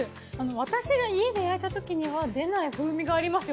私が家で焼いたときには出ない風味がありますよ。